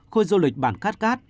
khu du lịch bản cát cát